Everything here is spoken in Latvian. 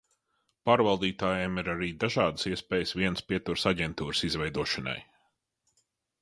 Pārvaldītājiem arī ir dažādas iespējas vienas pieturas aģentūras izveidošanai.